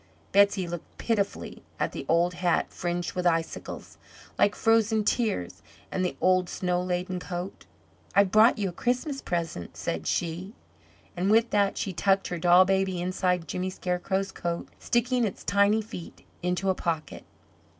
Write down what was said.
Betsey looked pitifully at the old hat fringed with icicles, like frozen tears, and the old snow laden coat. "I've brought you a Christmas present," said she, and with that she tucked her doll baby inside Jimmy Scarecrow's coat, sticking its tiny feet into a pocket.